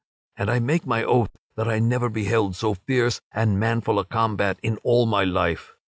And I make my oath that I never beheld so fierce and manful a combat in all of my life.